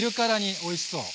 おいしそう！